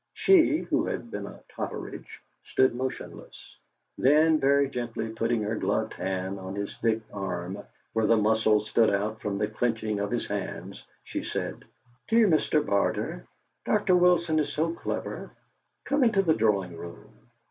She, who had been a Totteridge, stood motionless; then, very gently putting her gloved hand on his thick arm, where the muscles stood out from the clenching of his hands, she said: "Dear Mr. Barter, Dr. Wilson is so clever! Come into the drawing room!"